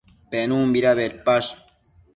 Penunbida bedpash?